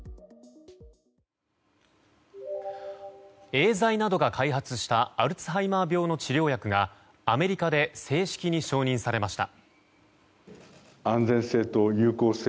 エーザイなどが開発したアルツハイマー病の治療薬がアメリカで正式に承認されました。